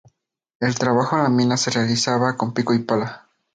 El trabajo en la mina se realizaba con pico y pala.